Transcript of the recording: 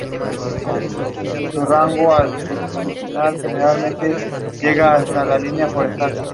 Hitler pronunció mítines masivos de hasta un millón de personas.